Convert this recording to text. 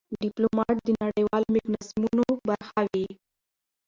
ډيپلومات د نړېوالو میکانیزمونو برخه وي.